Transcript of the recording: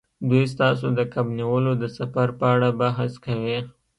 دوی ستاسو د کب نیولو د سفر په اړه بحث کوي